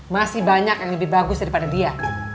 masih banyak yang lebih bagus daripada dia